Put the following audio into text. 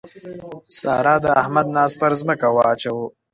سارا د احمد ناز پر ځمکه واچاوو.